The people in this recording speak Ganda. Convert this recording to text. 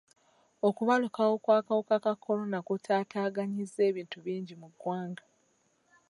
Okubalukawo kw'akawuka ka kolona kutaataaganyizza ebintu bingi mu ggwanga.